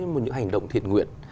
một những hành động thiệt nguyện